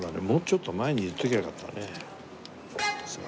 もうちょっと前にいっときゃよかったね。